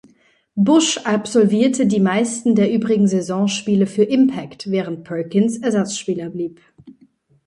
Bush absolvierte die meisten der übrigen Saisonspiele für Impact, während Perkins Ersatzspieler blieb.